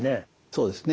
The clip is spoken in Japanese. そうですね。